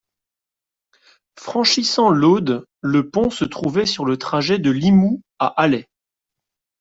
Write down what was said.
Franchissant l'Aude, le pont se trouvait sur le trajet de Limoux à Alet.